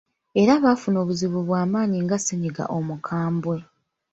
Era bafuna obuzibu bwa maanyi nga ssennyiga omukambwe.